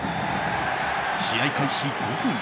試合開始５分。